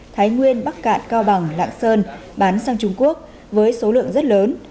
thái nguyên bắc cạn cao bằng lạng sơn bán sang trung quốc với số lượng rất lớn